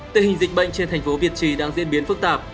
tình hình dịch bệnh trên thành phố việt trì đang diễn biến phức tạp